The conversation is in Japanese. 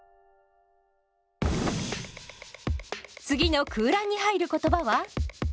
次の空欄に入る言葉は？